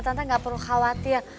tante gak perlu khawatir